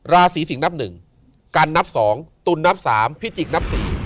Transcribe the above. ราศรีสิงหนับหนึ่งกันนับสองตุนนับสามพิจิกส์นับสี่